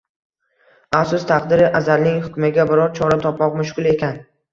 Afsus taqdiri azalning hukmiga biror chora topmoq mushkul ekan